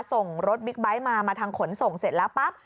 ส่งรถบิ๊กไบท์มามาทางขนส่งเสร็จแล้วปั๊บ